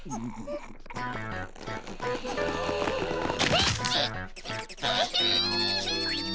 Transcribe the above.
ピッ。